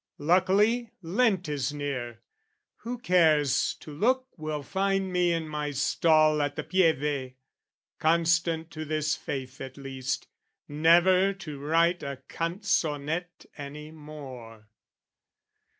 Luckily Lent is near: "Who cares to look will find me in my stall "At the Pieve, constant to this faith at least "Never to write a canzonet any more."